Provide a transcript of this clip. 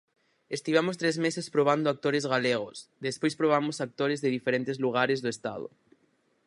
Estivemos tres meses probando actores galegos, despois probamos actores de diferentes lugares do Estado.